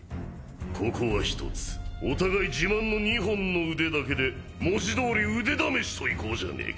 ここは一つお互い自慢の２本の腕だけで文字通り腕試しといこうじゃねえか。